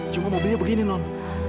cuma mobilnya begini non